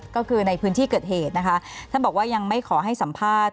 ก็คือในพื้นที่เกิดเหตุนะคะท่านบอกว่ายังไม่ขอให้สัมภาษณ์